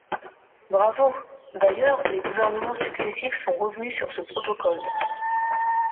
Bravo ! D’ailleurs, les gouvernements successifs sont revenus sur ce protocole.